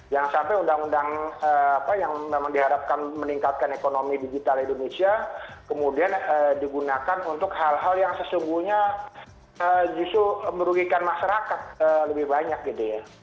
jangan sampai undang undang yang memang diharapkan meningkatkan ekonomi digital indonesia kemudian digunakan untuk hal hal yang sesungguhnya justru merugikan masyarakat lebih banyak gitu ya